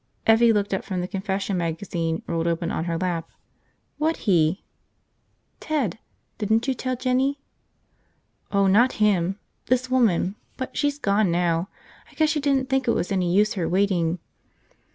Evvie looked up from the confession magazine rolled open on her lap. "What he?" "Ted. Didn't you tell Jinny ..." "Oh, not him. This woman. But she's gone now. I guess she didn't think it was any use her waiting."